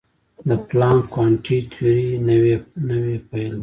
د پلانک کوانټم تیوري نوې پیل وه.